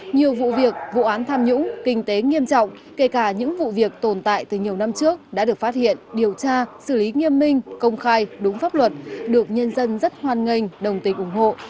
nhiều vụ việc vụ án tham nhũng kinh tế nghiêm trọng kể cả những vụ việc tồn tại từ nhiều năm trước đã được phát hiện điều tra xử lý nghiêm minh công khai đúng pháp luật được nhân dân rất hoan nghênh đồng tình ủng hộ